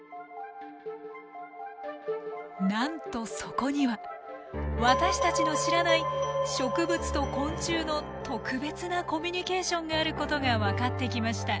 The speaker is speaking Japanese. なんとそこには私たちの知らない植物と昆虫の特別なコミュニケーションがあることが分かってきました。